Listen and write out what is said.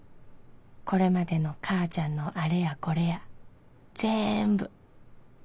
これまでのかーちゃんのあれやこれやぜーんぶ。